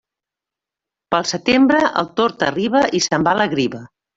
Pel setembre, el tord arriba i se'n va la griva.